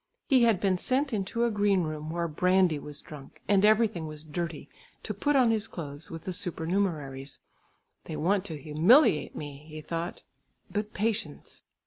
He had been sent into a green room where brandy was drunk and everything was dirty, to put on his clothes with the supernumeraries. "They want to humiliate me," he thought, "but patience!"